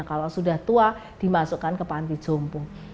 kalau sudah tua dimasukkan ke panti jompong